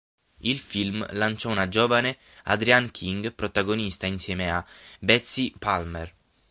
Il film lanciò una giovane Adrienne King protagonista insieme a Betsy Palmer.